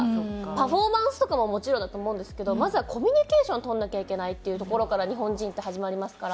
パフォーマンスとかももちろんだと思うんですけどまずはコミュニケーション取らなきゃいけないっていうところから日本人って始まりますから。